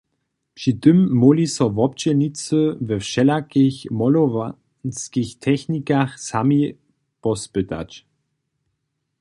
Při tym móhli so wobdźělnicy we wšelakich molowanskich technikach sami pospytać.